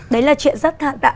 đấy là chuyện rất thật ạ